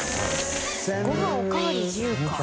「ごはんおかわり自由」か。